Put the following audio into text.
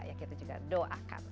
ya kita juga doakan